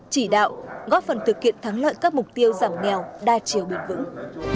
chỉ đạo góp phần thực hiện thắng lợi các mục tiêu giảm nghèo đa chiều bền vững